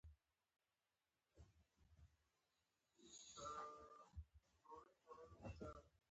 دا له حقیقت څخه فعاله پیروي ده.